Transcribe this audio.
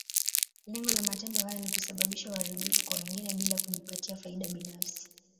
Lengo la matendo haya ni kusababisha uharibifu kwa wengine, bila kujipatia faida binafsi.